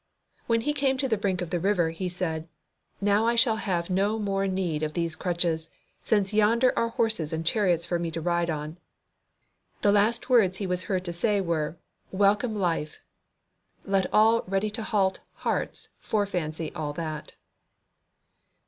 When he came to the brink of the river, he said, "Now I shall have no more need of these crutches, since yonder are horses and chariots for me to ride on." The last words he was heard to say were, "Welcome life!" Let all ready to halt hearts fore fancy all that.